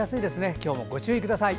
今日もご注意ください。